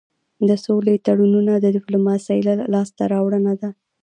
د سولې تړونونه د ډيپلوماسی لاسته راوړنه ده.